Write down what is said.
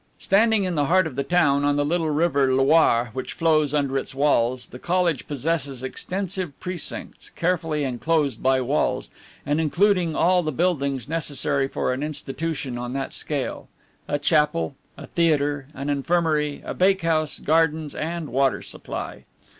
Standing in the heart of the town, on the little river Loire which flows under its walls, the college possesses extensive precincts, carefully enclosed by walls, and including all the buildings necessary for an institution on that scale: a chapel, a theatre, an infirmary, a bakehouse, gardens, and water supply.